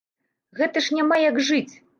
Гэта ж няма як жыць!